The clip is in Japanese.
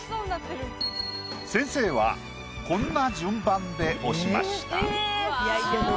先生はこんな順番で押しました。